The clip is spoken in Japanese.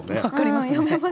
分かりますよね。